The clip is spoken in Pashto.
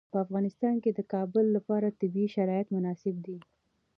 په افغانستان کې د کابل لپاره طبیعي شرایط مناسب دي.